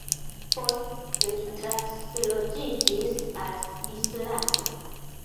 Post li transloĝiĝis al Svislando.